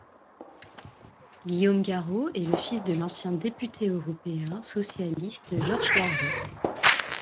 Guillaume Garot est le fils de l’ancien député européen socialiste Georges Garot.